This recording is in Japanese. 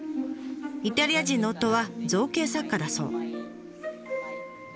イタリア人の夫は造形作家だそう。